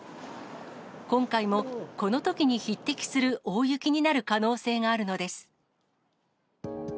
今回もこのときに匹敵する大雪になる可能性があるのです。